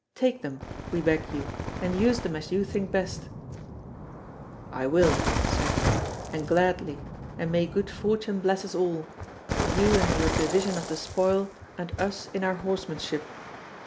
Take them, we beg you, and use them as you think best." "I will," said he, "and gladly, and may good fortune bless us all, you in your division of the spoil and us in our horsemanship.